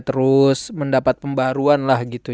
terus mendapat pembaruan lah gitu